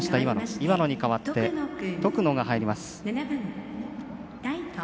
岩野に代わって徳野が入ります。